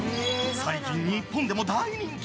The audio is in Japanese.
最近日本でも大人気。